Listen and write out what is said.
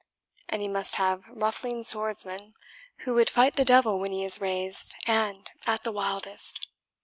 And he must have ruffling swordsmen, who would fight the devil when he is raised and at the wildest.